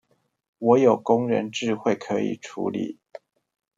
我有工人智慧可以處理